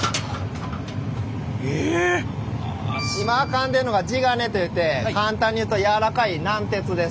今あかんでるのが地金といって簡単に言うと軟らかい軟鉄です。